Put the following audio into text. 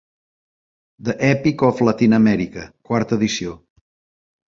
The Epic of Latin America, quarta edició.